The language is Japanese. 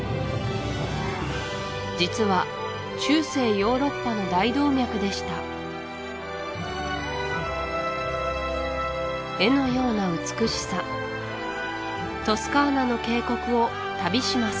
実は中世ヨーロッパの大動脈でした絵のような美しさトスカーナの渓谷を旅します